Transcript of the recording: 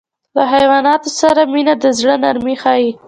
له حیواناتو سره مینه د زړه نرمي ښيي.